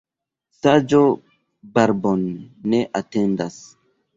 Saĝo barbon ne atendas.